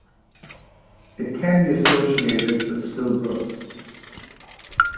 It can be associated with stillbirth.